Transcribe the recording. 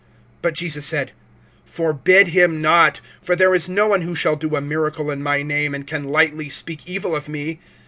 (39)But Jesus said: Forbid him not; for there is no one who shall do a miracle in my name, and can lightly speak evil of me.